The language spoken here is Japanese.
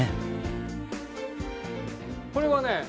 これはね